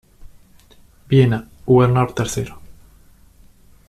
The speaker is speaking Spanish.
Viena; Wiener Ill.